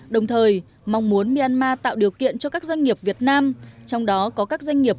đồng thời mong muốn myanmar tạo điều kiện cho các doanh nghiệp việt nam trong đó có các doanh nghiệp